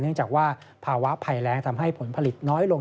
เนื่องจากว่าภาวะภัยแรงทำให้ผลผลิตน้อยลง